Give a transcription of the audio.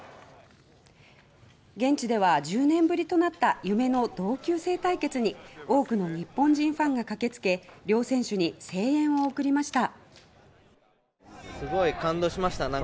現地では１０年ぶりとなった夢の同級生対決に多くの日本人ファンが駆けつけ両選手に声援を送りました。